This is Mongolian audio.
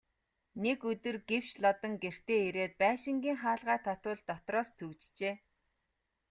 Нэг өдөр гэвш Лодон гэртээ ирээд байшингийн хаалгаа татвал дотроос түгжжээ.